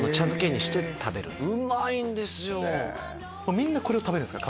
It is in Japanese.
みんなこれを食べるんですか？